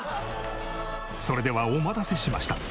それではお待たせしました。